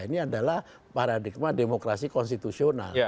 ini adalah paradigma demokrasi konstitusional